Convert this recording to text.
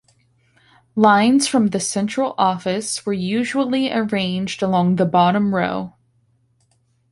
Lines from the central office were usually arranged along the bottom row.